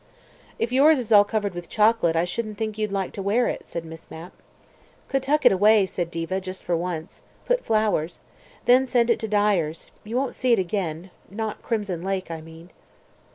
"If yours is all covered with chocolate, I shouldn't think you'd like to wear it," said Miss Mapp. "Could tuck it away," said Diva, "just for once. Put flowers. Then send it to dyer's. You won't see it again. Not crimson lake, I mean."